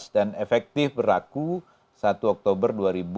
dan efektif berlaku satu oktober dua ribu delapan belas